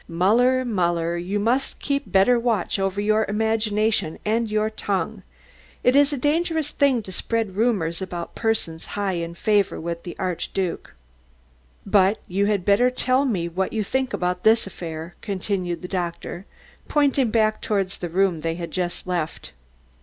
"Muller, Muller, you must keep better watch over your imagination and your tongue! It is a dangerous thing to spread rumours about persons high in favor with the Arch duke. But you had better tell me what you think about this affair," continued the doctor, pointing back towards the room they had just left.